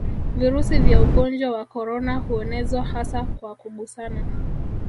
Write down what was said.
Virusi vya ugonnjwa wa korona huenezwa hasa kwa kugusana